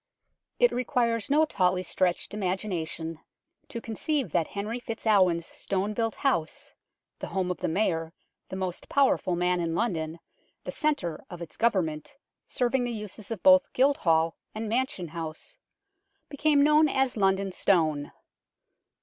It requires no tautly stretched imagination to conceive that Henry FitzAlwin's stone built house, the home of the Mayor, the most powerful man in London, the centre of its government, serving the uses of both Guildhall and Mansion House, became known as " London Stone."